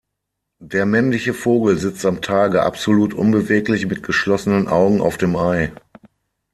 Der männliche Vogel sitzt am Tage absolut unbeweglich mit geschlossenen Augen auf dem Ei.